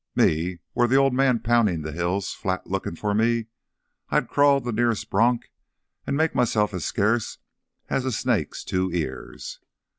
Me...were th' Old Man poundin' th' hills flat lookin' for me, I'd crawl th' nearest bronc an' make myself as scarce as a snake's two ears."